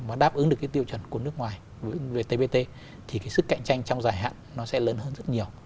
mà đáp ứng được cái tiêu chuẩn của nước ngoài với vtvt thì cái sức cạnh tranh trong dài hạn nó sẽ lớn hơn rất nhiều